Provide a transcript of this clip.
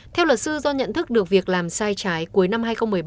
theo luật sư do nhận thức được việc làm sai trái cuối năm hai nghìn một mươi bảy